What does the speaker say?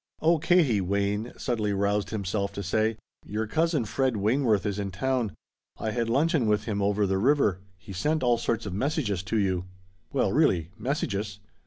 "Oh Katie," Wayne suddenly roused himself to say, "your cousin Fred Wayneworth is in town. I had luncheon with him over the river. He sent all sorts of messages to you." "Well really! Messages!